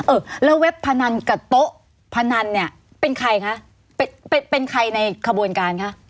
เออแล้วเว็บพนันกับโต๊ะพนันเนี่ยเป็นใครคะเป็นเป็นใครในขบวนการคะ